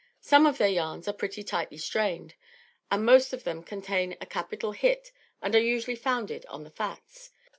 Some of their yarns are pretty tightly strained, but most of them contain a capital hit and are usually founded on the facts.